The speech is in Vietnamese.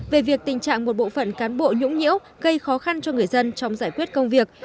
về việc tình trạng một bộ phận cán bộ nhũng nhiễu gây khó khăn cho người dân trong giải quyết công việc